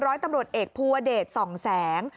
ร้อยตำรวจเอกภูวเดชส่องแสง